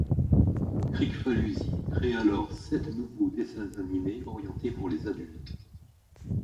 Kricfalusi crée alors sept nouveaux dessins-animés orientés pour les adultes.